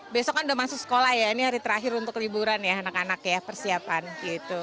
besok kan udah masuk sekolah ya ini hari terakhir untuk liburan ya anak anak ya persiapan gitu